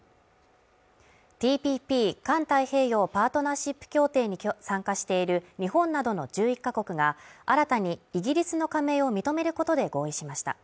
ＴＰＰ＝環太平洋パートナーシップ協定に参加している日本などの１１カ国が新たにイギリスの加盟を認めることで合意しました。